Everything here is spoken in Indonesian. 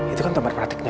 itu kan tempat perhatiannya